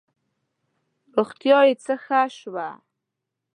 روغتیا یې څه ښه شوه.